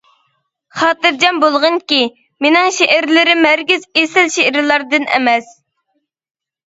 خاتىرجەم بولغىنكى، مېنىڭ شېئىرلىرىم ھەرگىز ئېسىل شېئىرلاردىن ئەمەس.